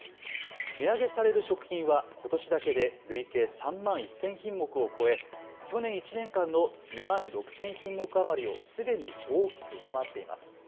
値上げされる食品はことしだけで累計３万１０００品目を超え去年１年間の２万６０００品目余りをすでに大きく上回っています。